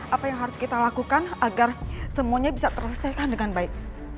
apa yang harus kita lakukan agar semuanya bisa terselesaikan dengan baik